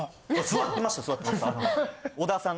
座ってました。